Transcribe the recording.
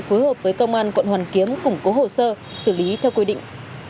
phối hợp với công an quận hoàn kiếm củng cố hồ sơ xử lý theo quy định